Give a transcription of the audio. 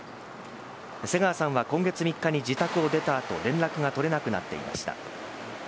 瀬川さんは今月３日に自宅を出た後連絡が取れなくなっていました。